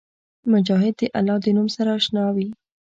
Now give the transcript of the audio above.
مجاهد د الله د نوم سره اشنا وي.